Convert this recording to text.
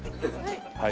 はい。